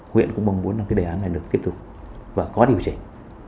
huyện cũng mong muốn đề án này được tiếp tục và có điều chỉnh